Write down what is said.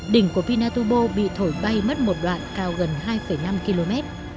đỉnh của vinatubo bị thổi bay mất một đoạn cao gần hai năm km